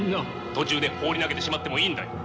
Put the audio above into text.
途中で放り投げてしまってもいいんだよ。